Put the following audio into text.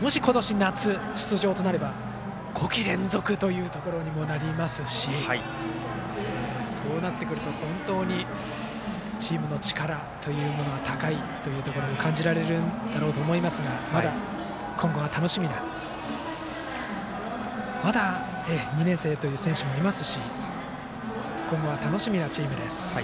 もし今年の夏出場となれば５季連続となりますしそうなってくると、本当にチームの力というものが高いというところも感じられるだろうと思いますがまだ２年生という選手もいますし今後が楽しみなチームです。